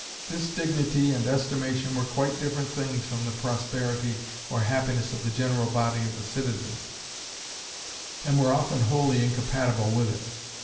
This dignity and estimation were quite different things from the prosperity or happiness of the general body of the citizens, and were often wholly incompatible with it.